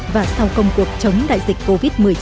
và sau công cuộc chống đại dịch covid một mươi chín